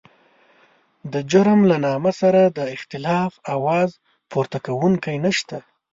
د جرم له نامه سره د اختلاف اواز پورته کوونکی نشته.